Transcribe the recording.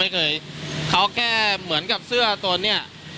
เขาแก้เหมือนกับเสื้อตัวนี้